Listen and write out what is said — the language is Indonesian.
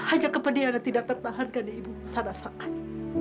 ajak ke peniagaan yang tidak tertahankan ibu sara sakai